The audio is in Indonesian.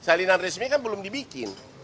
salinan resmi kan belum dibikin